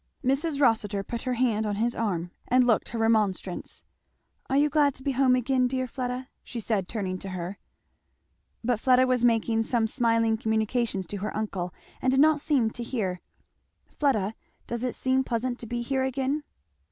Mrs. Rossitur put her hand on his arm and looked her remonstrance. "Are you glad to be home again, dear Fleda?" she said turning to her. But Fleda was making some smiling communications to her uncle and did not seem to hear. "Fleda does it seem pleasant to be here again?"